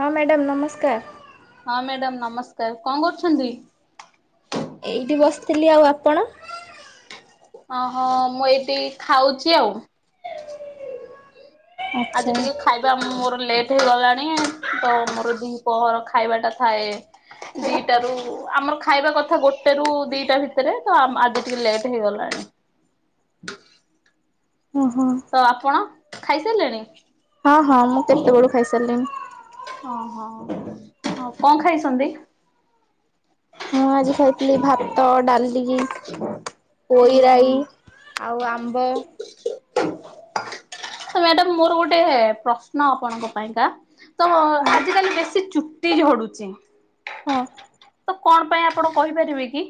ହଁ ମ୍ୟାଡ଼ାମ ନମସ୍କାର। ହଁ ମ୍ୟାଡାମ ନମସ୍କାର କ'ଣ କରୁଛନ୍ତି। ଏଇଠି ବସିଥିଲି ଆଉ ଆପଣ? ଅହୋ ମୁଁ ଏଇଠି ଖାଉଛି ଆଉ। ଆଜି ଆଚ୍ଛା ଟିକେ ଖାଇ। ବା ମୋର ଲେଟ୍ ହେଇଗଲାଣି ତ ମୋର ଦି ପହର ଖାଇବାଟା ଥାଏ। ଦି ଟାରୁ ଆମର ଖାଇବା କଥା ଗୋଟେ ରୁ ଦିଟା ଭିତରେ ତ ଆଜି ଟିକେ ଲେଟ୍ ହେଇଗଲାଣି। ଓହୋ। ତ ଆପଣ ଖାଇସାରିଲେଣି? ହଁ, ହଁ ମୁଁ କେତେବେଳୁ ଖାଇସାରିଲିଣିି। ହଁ, ହଁ, ହଁ କଣ ଖାଇଛନ୍ତି। ମୁଁ ଆଜି ଖାଇଥିଲି ଭାତ, ଡାଲି। ଟିକେ ହୁଁ ହୁଁ ପୋଇରାଇ ଆଉ ଆମ୍ବ। ମ୍ୟାଡାମ ମୋର ଗୋଟେ ପ୍ରଶ୍ନ ଆପଣଙ୍କ ପାଇଁକା। ତ ହଁ ଆଜିକାଲି ବେଶୀ ଚୁଟି ଝଡୁଛି। ହଁ। ତ କଣ ପାଇଁ ଆପଣ କହିପାରିବେ କି?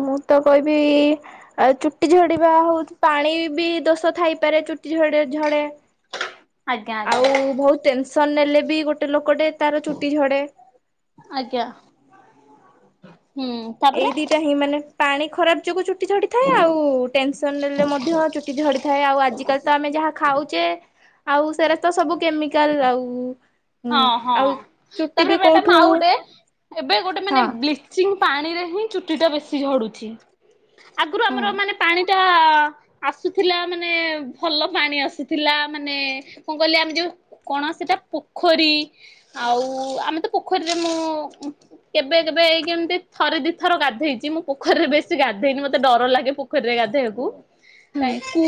ମୁଁ ତ କହିବି ଆଉ ଚୁଟି ଝଡ଼ିବା ହଉଛି ପାଣି ବି ଦୋଷ ଥାଇପାରେ ଚୁଟି ଝଡ଼େ ଝଡେ। ଆଜ୍ଞା ଆଉ ଆଜ୍ଞା। ବହୁତ ଟେନସନ ନେଲେ ବି ଗୋଟେ ଲୋକଟେ ତାର ଚୁଟି ଝଡେ। ଆଜ୍ଞା ହୁଁ। ଏଇ ତାପରେ ଦିଇଟା ହିଁ ମାନେ ପାଣି ଖରାପ ଯୋଗୁଁ ଚୁଟି ଝଡିଥାଏ ଆଉ ଟେନସନ ନେଲେ ମଧ୍ୟ ଚୁଟି ଝଡି ଥାଏ ଆଉ ଆଜିିକାଲି ତ ଆମେ ଯାହା ଖାଉଛେ ଆଉ ସେରା ତ ସବୁ କେମିକାଲ ଆଉ ହଁ ହୁଁ ହଁ ଆଉ ଚୁଟି ତାପରେ ବି ମ୍ୟାଡ଼ାମ କୋଉଠୁ ଆଉ ଗୋଟେ ଏବେ ଗୋଟେ ହଁ ମାନେ ବ୍ଲି ଚିଙ୍ଗ ପାଣିରେ ହିଁ ଚୁଟି ଟା ବେଶୀ ଝଡୁଛି ଆଗରୁ ହଁ ଆମର ମାନେ ପାଣିଟା ଆସୁଥିଲା ମାନେ ଭଲ ପାଣି ଆସୁଥିଲା ମାନେ କଣ କହିଲେ ଆମେ ଯୋଉ କଣ ସେଇଟା ପୋଖରୀ ଆଉ ଆମେ ତ ପୋଖରୀରେ ମୁଁ କେବେ କେବେ ଏଇ କେମିତି ଥରେ ଦି ଥର ଗାଧେଇଛି ମୁଁ ପୋଖରିରେ ବେଶୀ ଗାଧେଇନି ମତେ ଡର ଲାଗେ ପୋ ପୋଖରୀରେ ଗାଧୋଇବାକୁ କାଇ ହୁଁ କୁ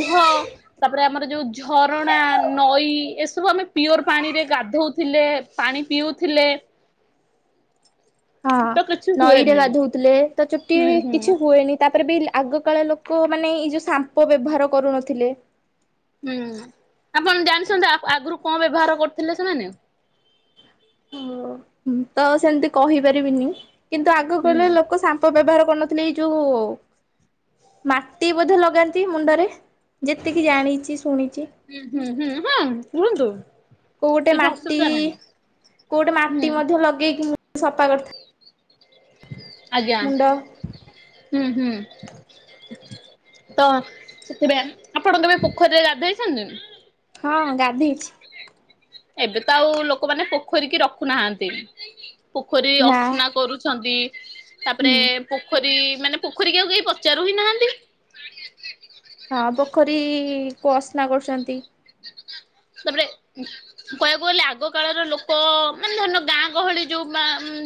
ତାପରେ ଆମର ଯୋଉ ଝରଣା ନଈ ଏସବୁ ଆମେ ପିଓର ପାଣିରେ ଗାଧଉଥିଲେ ପାଣି ପିଉଥିଲେ। ହଁ ତ କିଛି ନଈରେ ହୁଏନି ଗାଧଉଥିଲେ ତ ଚୁଟି ହୁଁ ହୁଁ କିଛି ହୁଏନି ତାପରେ ବି ଆଗକାଳ ଲୋକମାନେ ଏଇ ଯଉ ସାମ୍ପୋ ବ୍ୟବହାର କରୁନଥିଲେ। ଆପଣ ଜାଣିଛନ୍ତି ଆଗରୁ କଣ ବ୍ୟବହାର କରୁଥିଲେ ସେମାନେ? ଓ ତ ସେମିତି କହିପାରିବିନି କିନ୍ତୁ ହୁଁ ଆଗକାଳ ହୁଁ ଲୋକ ସା ବ୍ୟବହାର କରୁନଥିଲେ ଏଇ ଯୋଉ ମାଟି ବୋଧେ ଲଗାନ୍ତି ମୁଣ୍ଡରେ ଯେତିକି ଜାଣିଛି ଶୁଣିଛି। ହୁଁ ହୁଁ ହୁଁ ହଁ କୁହନ୍ତୁ। କୋଉଗୋଟେ କିଛି ମାଟି ଅସୁବିଧା ନାହିଁ। କୋଉ ଗୋଟେ ହୁଁ ମାଟି ମଧ୍ୟ ଲଗେଇକି ମୁଁ ସଫା କରିଥାଏ। ଆଜ୍ଞା। ହୁଁ ହୁଁ ତ ସେଥିପାଇଁ ଆପଣ କେବେ ପୋଖରୀରେ ଗାଧୋଇଛନ୍ତି। ହଁ ଗାଧେଇଛି। ଏବେ ତ ଆଉ ଲୋକମାନେ ପୋଖରୀ କିି ରଖୁନାହାନ୍ତି। ପୋଖରୀ ନା ଅସ୍ନା କରୁଛନ୍ତି ହୁଁ ତାପରେ ପୋଖରୀ ମାନେ ପୋଖରୀକି ଆଉ କେହି ପଚାରୁ ହିଁ ନାହାନ୍ତି। ହଁ ପୋଖରୀ କୁ ଅସ୍ନା କରୁଛନ୍ତି। ତାପରେ କହିବାକୁ ଗଲେ ଆଗ କାଳର ଲୋକ ମାନେ ଧରିନିୟ ଗାଁ ଗହଳି ଯୋଉ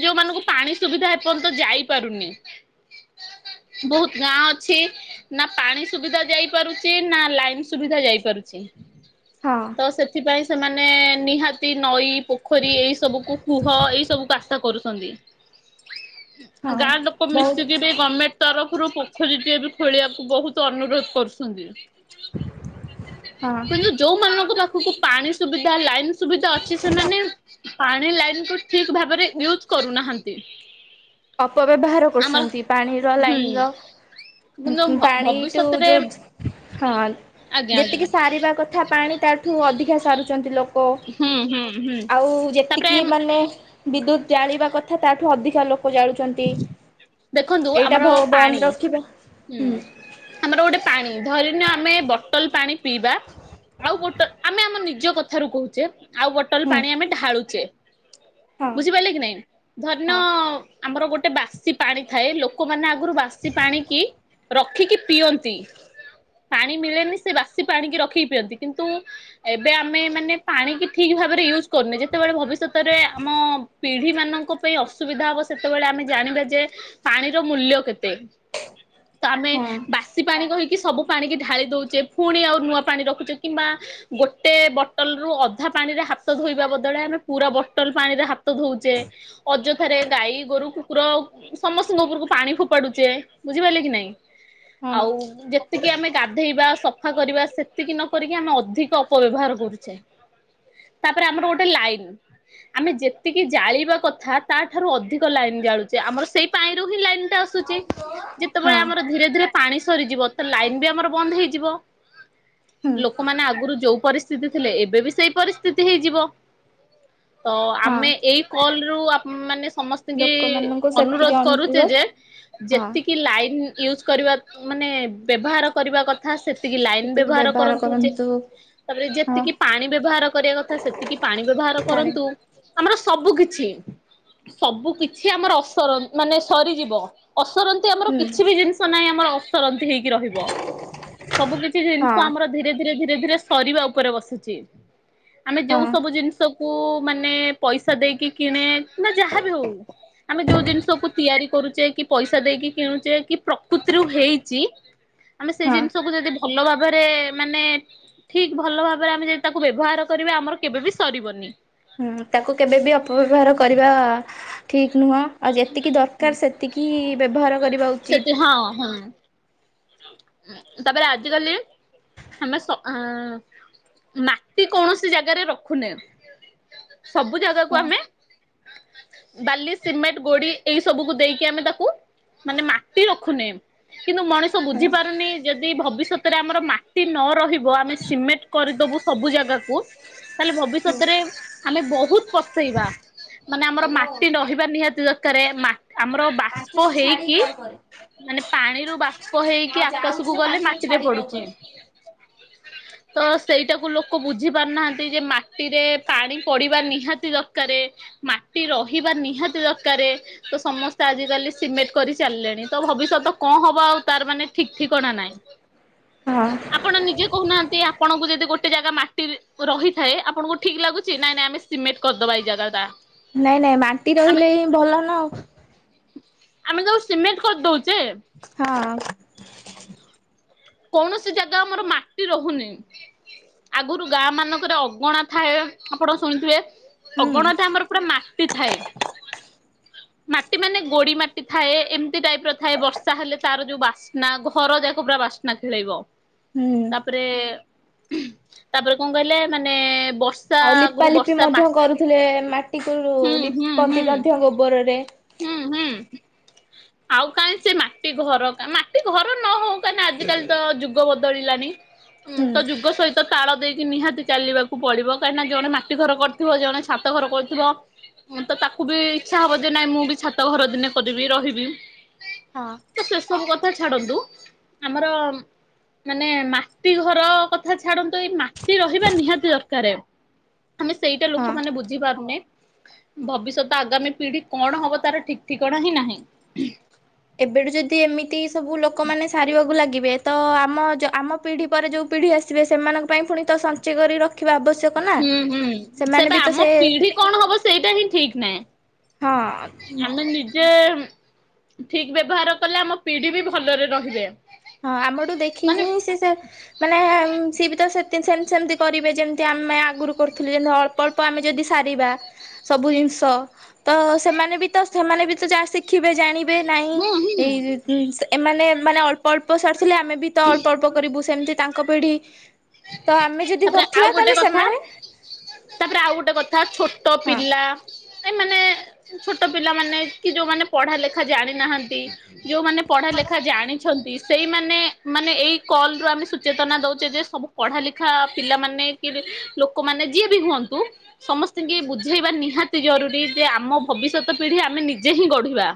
ଯୋଉମାନଙ୍କୁ ପାଣି ସୁବିଧା ଏପର୍ଯ୍ୟନ୍ତ ଯାଇପାରୁନି ବହୁତ ଗାଁ ଅଛି ନା ପାଣି ସୁବିଧା ଯାଇପାରୁଛି ନା ଲାଇନ ସୁବିଧା ଯାଇପାରୁଛି। ହଁ ତ ସେଥିପାଇଁ ସେମାନେ ନିହାତି ନଈ, ପୋଖରୀ ଏଇ ସବୁକୁ କୁହ ଏଇ ସବୁକୁ ଆଶ୍ରା କରୁଛନ୍ତି। ଆଉ ହଁ ଗାଁ ଲୋକ ମିଶିକି ବହୁତ ବି ଗମେଣ୍ଟ ତରଫରୁ ପୋଖରୀଟିଏ ବି ଖୋଳିବାକୁ ବହୁତ ଅନୁରୋଧ କରୁଛନ୍ତି। ହଁ। ପୋଖରୀ ପାଖକୁ ପାଣି ସୁବିଧା ଲାଇନ ସୁବିଧା ଅଛି ସେମାନେ ପାଣି ଲାଇନକୁୁ ଠିକ ଭାବରେ ୟୁଜ୍ କରୁନାହାନ୍ତି। ଅପ ବ୍ୟବହାର ଆମର କରୁଛନ୍ତି ପାଣିର, ହୁଁ ଲାଇନର। କିନ୍ତୁ ପାଣି ଟୁ ଭବିଷ୍ୟତରେ ଯୋଉ ହଁ ଆଜ୍ଞା ଆଜ୍ଞା। ଯେତିକି ସାରିବା କ ଥା ପାଣି ତା ଠୁ ଅଧିକା ସାରୁଛନ୍ତି ଲୋ ଓ ହୁଁ ହୁଁ ହୁଁ ଆଉ ତାପରେ ଯେତିକି ମାନେ ବିଦ୍ୟୁତ ଜାଳିବା କଥା ତା ଠୁ ଅଧିକା ଲୋ ଲୋକ ଯାଳୁଚନ୍ତି। ଦେଖନ୍ତୁ ଏଇଟା ଆମର ପାଣି ଭ-ବନ୍ଦ ରଖିବା। ହୁଁ। ଆମର ଗୋଟେ ପାଣି। ଧରିନିଅ ଆମେ ବଟଲ ପାଣି ପିଇବା ଆଉ ବଟଲ୍ ଆମେ ଆମ ନିଜ କଥାରୁ କହୁଚେ। ଆଉ ବଟ ବଟଲ ହୁଁ ପାଣି ଆମେ ଢାଳୁଚେ। ହଁ ବୁଝିପାଇଲେ କି ନାଇଁ ଧରିନିଅ ହଁ ଆମର ଗୋଟେ ବାସି ପାଣି ଥାଏ। ଲୋକମାନେ ଆଗରୁ ବାସି ପାଣି କି ରଖିକି ପିଅନ୍ତି। ପାଣି ମିଳେନି। ସେ ବାସି ପାଣିକି ରଖିକି ପିଅନ୍ତି କିନ୍ତୁ ଏବେ ଆମେ ମାନେ ପାଣି କିି ଠିକ୍ ଭାବରେ ୟୁଜ୍ କରୁନେ, ଯେତେବେଳେ ଭବିଷ୍ୟତରେ ଆମ ପିଢିମାନଙ୍କ ପାଇଁ ଅସୁବିଧା ହବ। ସେତେବେଳେ ଆମେ ଜାଣିବା ଯେ ପାଣିର ମୂଲ୍ୟ କେତେ? ତ, ଆମେ ହଁ ବାସ୍ ବାସି ପାଣି କହିକି ସବୁ ପାଣିକି ଢାଳି ଦେଉଚେ। ପୁଣି ଆଉ ନୂଆ ପାଣି ରଖୁଛେ କିମ୍ବା ଗୋଟେ ବଟଲରୁ ଅଧା ପାଣିରେ ହାତ ଧୋଇବା ବଦଳରେ ଆମେ ପୁରା ବଟଲ ପାଣିରେ ହାତ ଧୋଉଚେ। ଅଯଥାରେ ଗାଈ ଗୋରୁ, କୁକୁର ସମସ୍ତଙ୍କ ଉପରକୁ ପାଣି ଫୋପାଡୁଚେ। ବୁଝିପାଇଲେ କି ନାଇଁ? ହଁ ଆଉ ଯେତିକି ଆମେ ଗାଧେଇବା, ସଫା କରିବା, ସେତିକି ନ କରିକି ଆମେ ଅଧିକ ଅପବ୍ୟବହାର କରୁଛେ। [inaudible] ତା ପେରେ ଆମର ଗୋଟେ ଲାଇନ୍, ଆମେ ଯେତିକି ଜାଳିବା କଥା ତା ଠାରୁ ଅଧିକ ଅଧିକ ଲାଇନ୍ ଜାଳୁଚେ। ଆମର ସେଇ ପାଣି ରୁ ହିଁ ଲାଇନ ଟା ଆସୁଛି। ହଁ ଯେତେବେଳେ ଆମର ଧିରେ ଧିରେ ପାଣି ସରିଯିବ ତ ଲାଇନ୍ ବି ଆମର ବନ୍ଦ ହେଇଯିବ। ହୁଁ ଲୋକମାନେ ଆଗରୁ ଯୋଉ ପରିସ୍ଥିତି ଥିଲେ ଏବେ ବି ସେଇ ପରିସ୍ଥିତି ହେଇଯିବ। ତ ହଁ ଆମେ ଏଇ କଲରୁ ଆପ-ମାନେ ସମ ସ୍ତିଙ୍କି କି ଲୋକମାନଙ୍କୁ ସେତିକି ଅନୁରୋଧ କରୁଚି ଯେ ହଁ ଯେତିକି ଲାଇନ୍ ୟୁଜ୍ କରିବା ମାନେ ବ୍ୟବହାର କରିବା କଥା, ସେତିକି ଲାଇନ୍ ବ୍ୟବହାର କରନ୍ତୁ। ଯେ ତା ପରେ ହଁ ଯେତିକି ପାଣି ବ୍ୟବହାର କରିବା କଥା, ସେତିକି ପାଣି ବ୍ୟବହାର ପାଣି କରନ୍ତୁ। ଆମର ସବୁ କିଛି, ସବୁ କିଛି ଆମର ଅସର ମାନେ ସରିଯିବ। ଅସରନ୍ତି ଆମର ହୁଁ କିଛି ବି ଜିନିଷ ନାହିଁ ଆମର ଅସରନ୍ତି ହେଇକି ରହିବ। ସବୁ କିଛି ଜିନିଷ ହଁ ଆମର ଧିରେ ଧିରେ ଧିରେ ଧୀରେ ସରିବା ଉପରେ ବସିଛି। ଆମେ ହଁ ଯୋଉ ସବୁ ଜିନିଷକୁ ମାନେ ପଇସା ଦେଇକି କିଣେ ନା ଯାହା ବି ହଉ। ଆମେ ଯୋଉ ଜିନିଷକୁୁ ତିଆରି କରୁଛେ କି ପଇସା ଦେଇକି କିଣୁଛେ କି ପ୍ରକୃତିରୁ ହେଇଚି, ଆମେ ସେଇ ହଁ ଜିନିଷକୁ ଯଦି ଭଲ ଭାବରେ ମାନେ ଠିକ୍ ଭଲ ଭାବରେ ଆମେ ଯଦି ତାକୁ ବ୍ୟବହାର କରିବା, ଆମର କେବେ ବିି ସରିବନି। ହୁଁ। ତାକୁ କେବେ ବି ଅପବ୍ୟବହାର କରିବା ଠିକ ନୁହଁ। ଆଉ ଯେତିକି ଦରକାର ସେତିକି ବ୍ୟବହାର କରିବା ସେଠି ଉଚିତ୍। ହଁ ହଁ ତାପରେ ଆଜିି କାଲି ଆମେ ସ ମାଟି କୌଣସି ଜାଗାରେ ରଖୁନେ, ସବୁ ଜାଗାକୁ ହଁ ଆମେ ବାଲି, ସିମେଣ୍ଟ, ଗୋଡି ଏଇ ସବୁକୁ ଦେଇକି ଆମେ ତାକୁ ମାନେ ମାଟି ରଖୁନେ କିନ୍ତୁ ମଣିଷ ହଁ ବୁଝି ପାରୁନି ଯଦି ଭବିଷ୍ୟତରେ ଆମର ମା ମାଟି ନ ରହିବ, ଆମେ ସିମେଣ୍ଟ କରିଦବୁ ସବୁ ଜାଗାକୁ ତା ହେଲେ ଭବିଷ୍ୟତରେ ଆମେ ବହୁତ ପସ୍ତେଇବା। ମାନେ ଆମର ମାଟି ରହିବା ନିହାତି ଦରକାର। ଆମର ବା ବାଷ୍ପ ହେଇକି ମାନେ ପାଣିରୁ ବାଷ୍ ପ ହେଇକି ଆକାଶକୁ ଗଲେ ମାଟିରେ ପଡୁଛି। ତ ସେଇଟାକୁ ଲୋକ ବୁଝି ପାରୁନାହାନ୍ତି ଯେ ମାଟିରେ ପାଣି ପଡିବା ନିହାତି ଦରକାରେ। ମାଟି ରହିବା ନିହାତି ଦରକାରେ। ତ ସମସ୍ତେ ଆଜିକାଲି ସିମେଣ୍ଟ କରି ଚାଲିଲେଣି ତ ଭବିଷ୍ୟତ କଣ ହବ ଆଉ ତାର ମାନେ ଠିକ ଠିକଣା ନାଇଁ। ହଁ। ଆପଣ ନିଜେ କହୁନାହାନ୍ତି ଆପଣଙ୍କୁ ଯଦି ଗୋଟେ ଜାଗା ମାଟି ରହିଥାଏ ଆପଣଙ୍କୁ ଠିକ ଲାଗୁଛି ନାଇଁ ନାଇଁ ଆମେ ସିମେଣ୍ଟ କରିଦବା ଏଇ ଜାଗାଟା। ନାଇଁ ନାଇଁ ମାଟି ରହିଲେ ହିଁ ଭଲ ନା ଆଉ। ଆମେ ଯୋଉ ସିମେଣ୍ଟ କରି ଦଉଚେ। ହଁ। କୌଣସି ଜାଗା ଆମର ମାଟି ରହୁନି। ଆଗୁରୁ ଗାଁ ମାନଙ୍କରେ ଅଗଣା ଥାଏ ଆପଣ ଶୁଣିଥିବେ ହୁଁ ଅଗଣାଟା ଆମର ପୁରା ମାଟି ଥାଏ। ମାଟି ମାନେ ଗୋଡି ମାଟି ଥାଏ ଏମିତି ଟାଇପ୍ ର ଥାଏ ବର୍ଷା ହେଲେ ତାର ଯୋଉ ବାସ୍ନା ଘର ଯାକ ପୁରା ବାସ୍ ନା ଥିଳେଇବ। ହୁଁ। ତାପରେ ତାପରେ କଣ କହିଲେ ମାନେ ବରଷ୍ ଆଉ ଲିପାଲିପି ମଧ୍ୟ କରୁଥିଲେ ମାଟିକୁ ହୁଁ ହୁଁ ହୁଁ ଲିପନ୍ତି ମଧ୍ୟ ଗୋବରରେ ହୁଁ ହୁଁ ଆଉ କାହିଁ ସେ ମାଟି ଘର କା ମାଟି ଘର ନ ହଉ କା ନା ଆଜି କାଲି ତ ଯୁଗ ବଦଳିଲାଣି ହୁଁ ତ ଯୁଗ ସହି ତ ତାଳ ଦେଇକି ନିହାତି ଚାଲିବାକୁ ପଡିବ କାହିଁକିନା ଜଣେ ମାଟି ଘର କରିଥିବ ଜଣେ ଛାତ ଘର କରୁଥିବ। ମ ତ ତାକୁ ବି ଇଚ୍ଛା ହବ ଯେ ନାଇଁ ମୁଁ ବି ଛାତ ଘର ଦିନେ ଖୋଜିବି ରହିବି। ହଁ। ତ ସେ ସବୁ କଥା ଛାଡନ୍ତୁ। ଆମର ମାନେ ମାଟି ଘର କଥା ଛାଡନ୍ତୁ ଏଇ ମାଟି ରହିବା ନିହାତି ଦରକାରେ। ଆମେ ସେଇଟା ହଁ। ଲୋକ ମାନେ ବୁଝି ପାରୁନେ। ଭବିଷ୍ୟତ ଆଗାମୀ ପିଢି କଣ ହବ ତାର ଠିକ ଠିକଣା ହିଁ ନାହିଁ। ଏବେଠୁ ଯଦି ଏମିତି ସବୁ ଲୋକମାନେ ସାରିବାକୁ ଲାଗିବେ ତ ଆମ ଯ ଆମ ପିଢ଼ି ପରେ ଯଉ ପିଢ଼ି ଆସିବେ ସେମାନଙ୍କ ପାଇଁ ପୁଣି ତ ସଂ ହୁଁ ହୁଁ ସେମାନେ ସେଟା ବି ତ ଆମ ସେ ପିଢି କଣ ହବ ସେଇଟା ହିଁ ଠିକ ନାଇଁ। ହଁ ଆମେ ନିଜେ ଠିକ୍ ବ୍ୟବହାର କଲେ ଆମ ପିଢି ବି ଭଲରେ ରହିବେ। ହଁ ଆମଠୁ ମାନେ ଦେଖିକି ହିଁ ସେ ସେ ମାନେ ସିଏ ବି ତ ସେ ସେମତି ସେମିତି କରିବେ ଯେମିତି ଆମେ ଆଗରୁ କରୁଥିଲେ ଯେମିତି ଅଳ୍ପ ଅଳ୍ ପ ଆମେ ଯଦି ସାରିବା ସବୁ ଜିନିଷ ତ ସେମାନେ ବି ତ ସେମାନେ ବି ତ ଯାହା ଶିଖିବେ ଜାଣି ବେ ନାଇଁ ହୁଁ ହୁଁ ସ ଏମାନେ ମାନେ ଅଳ୍ ଅଳ୍ପ ସାରିଶିଲେ ଆମେ ବି ତ ଅଳ୍ପ ଅଳ୍ପ କରିବୁ। ସେମିତି ତାଙ୍କ ପିଢ଼ି ତ ଆମେ ଯଦି ତାପରେ ଆଉ କରିଥିବା ଗୋଟେ ତାହେଲେ କଥା ସେମାନେ ତାପରେ ଆଉ ଗୋଟେ କଥା ଛୋଟ ହଁ ପିଲା ସେମାନେ ଛୋଟ ପିଲାମାନେ କି ଯୋଉମାନେ ପଢା ଲେଖା ଜାଣିନାହାନ୍ତି। ଯୋଉମାନେ ପଢା ଲେଖା ଜାଣିଛନ୍ତି ସେଇମାନେ ମାନେ ଏଇ କଲ ରୁ ଆମେ ସଚେତନା ଦଉଛେ ଯେ ସବୁ ପଢା ଲେଖା ପିଲାମାନେ କି ଲୋକମାନେ ଯିଏ ବି ହୁଅନ୍ତୁ। ସମସ୍ତିଙ୍କି ବୁଝେଇବା ନିହାତି ଜରୁରୀ ଯେ ଆମ ଭବିଷ୍ୟତ ପିଢି ଆମେ ନିଜେ ହିଁ ଗଢିବା।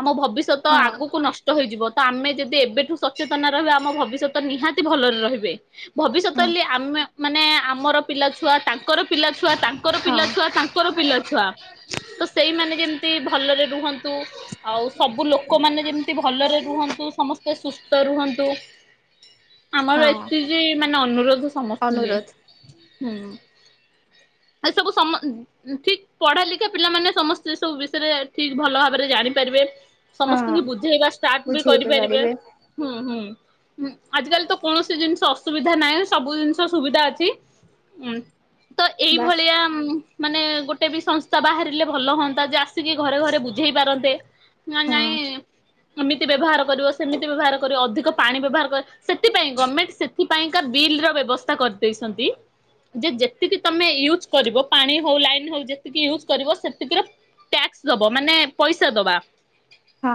ଆମ ଭବିଷ୍ୟ ଷ୍ୟତ ହଁ ଆଗକୁ ନଷ୍ଟ ହୋଇଯିବ, ତ ଆମେ ଯଦି ଏବେଠୁ ସଚେତନ ରହିବା ଆମ ଭବିଷ୍ୟତ ନିହାତି ଭଲରେ ରହିବ। ହୁଏ, ଭବିଷ୍ୟତ ହଁ ବୋଲି ଆମେ ମାନେ ଆମର ପିଲା ଛୁଆ ତାଙ୍ ଙ୍କର ପିଲା ଛୁଆ ତାଙ୍କର ହଁ ପିଲାଛୁଆ ତାଙ୍କର ପିଲାଛୁଆ ତ ସେଇମାନେ ଯେମିତି ଭଲରେ ରୁହନ୍ତୁ। ଆଉ ସବୁ ଲୋକମାନେ ଯେମିତି ଭଲରେ ରୁହନ୍ତୁ। ସମସ୍ତେ ସୁସ୍ଥ ରୁହନ୍ତୁ। ଆମର ହଁ ଏତିକି ମାନେ ଅନୁରୋଧ ସମସ୍ତଙ୍କୁ ଯେ ଅନୁରୋଧ ହୁଁ, ଏସବୁ ସମ [unintelligible] ଉଁ, ଠିକ୍ ପଢା ଲେଖା ପିଲାମାନେ ସମସ୍ତେ ଏ ସବୁ ବିଷୟରେ ଠିକ୍ ଭଲ ଭାବରେ ଜାଣିପାରିବେ। ହଁ ସମସ୍ତଙ୍କୁ ବୁଝେଇବା ଷ୍ଟାର୍ଟ ବି ବୁଝେଇ କରିପାରିବେ। ପାରିବେ ହୁଁ, ହୁଁ, ହୁଁ, ଆଜିକାଲି ତ କୌଣସି ଜିନିଷ ଷ ଅସୁବିଧା ନାହିଁ, ସବୁ ଜିନିଷ ସୁବିଧା ଅଛି ଉଁ, ତ ବା ଏଇଭଳିଆ ଉଁ, ମାନେ ଗୋଟେ ବି ସଂସ୍ଥା ବାହାରିଲେ ଭଲ ହଅନ୍ତା ଯେ ଆସିକି ଘରେ ଘରେ ବୁଝେଇ ପାରନ୍ତେ। ନା ହଁ ନାଇଁ ଏମିତି ବ୍ୟବହାର କରିବ, ସେମିତି ବ୍ୟବହାର କରିବ, ଅଧିକ ପାଣି ବ୍ୟବହାର କ- ସେଥିପାଇଁ ଗର୍ମେଣ୍ଟ ସେ ଥିପାଇଁକା ବିଲ୍ ର ବ୍ୟବସ୍ଥା କରିଦେଇସନ୍ତି। ଯେ ଯେତିକି ତୋମେ ୟୁଜ୍ କରିବ ପାଣି ହଉ ଲାଇନ ହଉ ଯେତିକି ୟୁଜ୍ କରିବ ସେତିକି ର ଟେକ୍ସ ଦବ ମାନେ ପଇସା ଦବା। ହଁ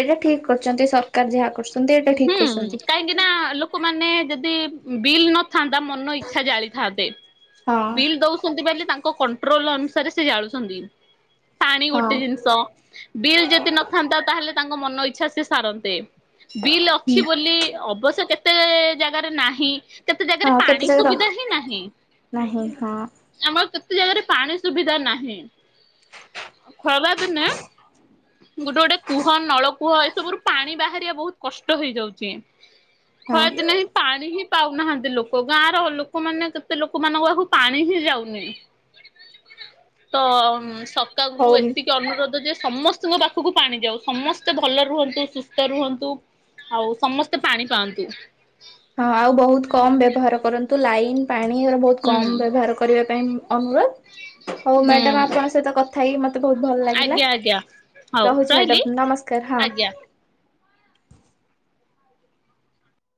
ଏଇଟା ଠିକ କରଚନ୍ତି ସରକାର ଯାହା କରୁସନ୍ତି ଏଇଟା ହୁଁ ଠିକ କରୁସନ୍ତି। କାହିଁକି ନା ଲୋକମାନେ ଯଦି ବିଲ୍ ନ ଥାନ୍ତା ମନ ଇଚ୍ଛା ଜାଳିଥାନ୍ତେ। ହଁ ବିଲ୍ ଦଉଛନ୍ତି ବେଲି ତାଙ୍କ କୋଣ୍ ଣ୍ଟ୍ରୋଲ ଅନୁସାରେ ସେ ଜାଳୁଛନ୍ତି। ପାଣି ହଁ ଗୋଟେ ଜିନିଷ ବିଲ୍ ଯଦି ନଥାନ୍ତା ତାହେଲେ ତାଙ୍କ ମନ ଇଚ୍ଛା ସିଏ ସାରନ୍ତେ। ବିଲ୍ ହୁଁ ଅଛି ବୋଲି ଅବଶ୍ୟ କେତେ ଜାଗାରେ ନାହିଁ। କେତେ ଜାଗାରେ ହଁ ପାଣି କେତେ ଜାଗାରେ ସୁବିଧା ହିଁ ନାହିଁ। ନାହିଁ ହଁ ଆମର କେତେ ଜାଗାରେ ପାଣି ସୁବିଧା ନାହିଁ। ଖରା ଦିନେ ଗୋଟେ ଗୋଟେ କୁହ ନଳ କୂହ ଏସବୁରୁ ପାଣି ବାହାରିବା ବହୁତ କଷ୍ଟ ହେଇଯାଉଛି। ହଁ ଖରାଦିନ ହିଁ ପାଣି ହିଁ ପାଉନାହାନ୍ତି ଲୋକ। ଗାଁର ଲୋକମାନେ କେତେ ଲୋକମାନଙ୍କ ପାଖକୁ ପାଣି ହି ଯାଉନି ତ ଉଁ, ହଉ ସକାଙ୍କୁ ଏତି ତି ଅନୁରୋଧ ଯେ ସମସ୍ତଙ୍କ ପାଖକୁ ପାଣି ଯାଉ। ସମସ୍ତେ ଭଲ ରୁହନ୍ତୁ, ସୁସ୍ଥ ରୁହନ୍ତୁ। ଆଉ ସମସ୍ତେ ପାଣି ପାଆନ୍ତୁ। ହଁ ଆଉ ବହୁତ କମ ବ୍ୟବହାର କରନ୍ତୁ। ଲାଇନ ପାଣି ଏରା ବହୁତ ହୁଁ। କମ ବ୍ୟବହାର କରିବା ପାଇଁ ଅନୁରୋଧ। ହଉ ହୁଁ ମ୍ୟାଡାମ ଆପଣଙ୍କ ସହିତ କଥା ହେଇ ମୋତେ ବହୁତ ଭଲ ଲାଗିଲା। ଆଜ୍ଞା ଆଜ୍ଞା ହଉ ରହୁଛି ରହିଲି ମ୍ୟାଡାମ ନମସ୍କାର ଆଜ୍ଞା। ହଁ।